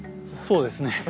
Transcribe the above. そうですね。